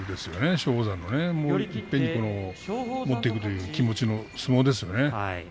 松鳳山のいっぺんに持っていくという気持ちの相撲でしたね。